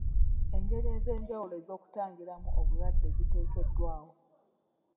Engeri ez'enjawulo ez'okutangiramu obulwadde ziteekeddwawo.